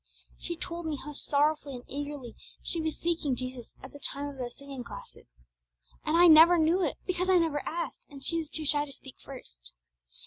She told me how sorrowfully and eagerly she was seeking Jesus at the time of those singing classes. And I never knew it, because I never asked, and she was too shy to speak first!